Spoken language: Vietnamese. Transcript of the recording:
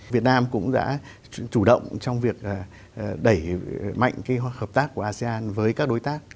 việt nam cũng đã chủ động trong việc đẩy mạnh hợp tác của asean với các đối tác